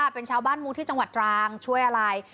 เป็นชาวบ้านมุ้งที่จังหวัดตรังช่วยอะไร